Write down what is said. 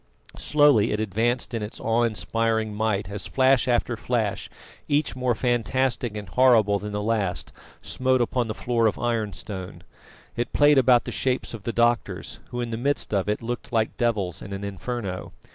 Slowly it advanced in its awe inspiring might as flash after flash, each more fantastic and horrible than the last, smote upon the floor of ironstone. It played about the shapes of the doctors, who in the midst of it looked like devils in an inferno.